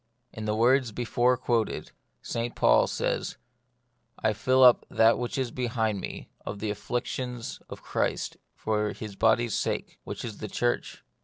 In the words before quoted, St Paul says, " I fill up that which is behind of the afflictions of Christ for his body's sake, which is the church."